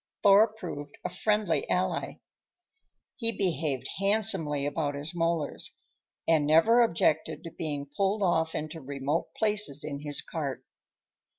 Thor proved a friendly ally. He behaved handsomely about his molars, and never objected to being pulled off into remote places in his cart.